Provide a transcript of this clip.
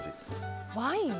ワイン？